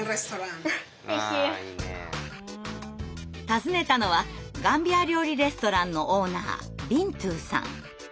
訪ねたのはガンビア料理レストランのオーナービントゥーさん。